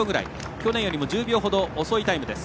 去年よりも１０秒ほど遅いタイムです。